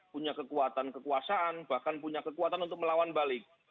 punya kekuatan kekuasaan bahkan punya kekuatan untuk melawan balik